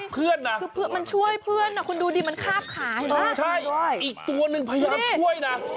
เพื่อนนะคือมันช่วยเพื่อนคุณดูดิมันคาบขาเห็นไหมใช่อีกตัวหนึ่งพยายามช่วยนะ